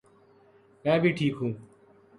میں بھی ٹھیک ہوں